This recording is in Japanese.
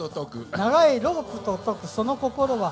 長いロープと解く、その心は。